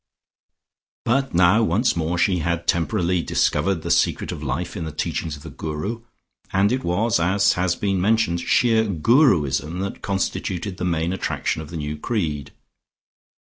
But now once more she had temporarily discovered the secret of life in the teachings of the Guru, and it was, as has been mentioned, sheer Guruism that constituted the main attraction of the new creed.